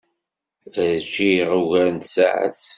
Ṛjiɣ ugar n tsaɛet.